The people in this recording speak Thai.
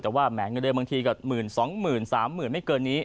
แต่ว่าแหมเงินเดือนบางทีกว่าหมื่นสองหมื่นสามหมื่นไม่เกินนี้